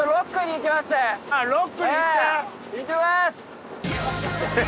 行きます！